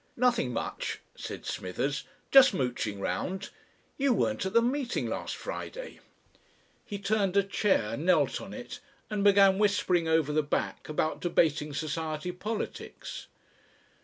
"Nothing much," said Smithers, "just mooching round. You weren't at the meeting last Friday?" He turned a chair, knelt on it, and began whispering over the back about Debating Society politics.